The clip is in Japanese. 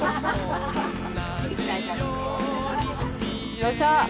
・よっしゃ！